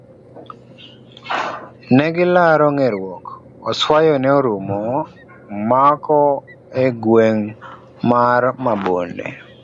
Negilaro nge'ruok. oswayo ne orumo mako e gweng' mar Mabonde.